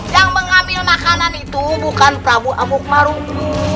yang mengambil makanan itu bukan prabu abu maruk